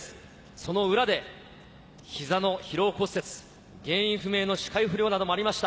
その裏で膝の疲労骨折、原因不明の視界不良もありました。